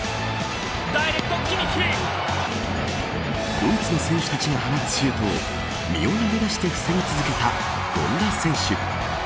ドイツの選手たちが放つシュートを身を投げ出して防ぎ続けた権田選手。